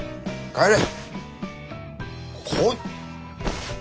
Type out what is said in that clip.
帰れ！